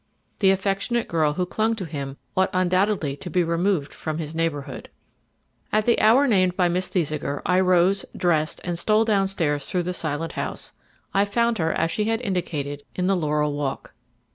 The affectionate girl who clung to him ought undoubtedly to be removed from his neighbourhood. At the hour named by Miss Thesiger, I rose, dressed, and stole downstairs through the silent house. I found her as she had indicated in the Laurel Walk.